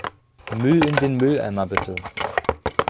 Müll in den Mülleimer bitte.